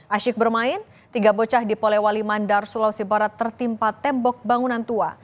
asyik bermain tiga bocah di polewali mandar sulawesi barat tertimpa tembok bangunan tua